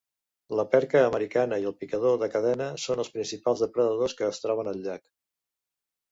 La perca americana i el picador de cadena són els principals depredadors que es troben al llac.